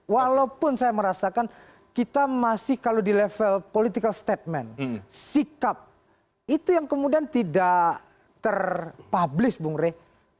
walaupun saya merasakan kita masih kalau di level political statement sikap itu yang kemudian tidak terpublish bung rey